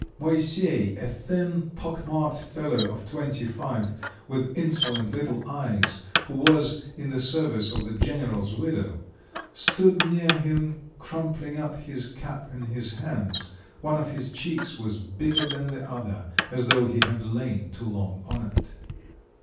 Moisey, a thin pock marked fellow of twenty five, with insolent little eyes, who was in the service of the general's widow, stood near him crumpling up his cap in his hands; one of his cheeks was bigger than the other, as though he had lain too long on it.